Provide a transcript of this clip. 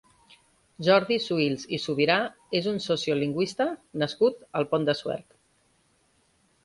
Jordi Suïls i Subirà és un sociolingüista nascut al Pont de Suert.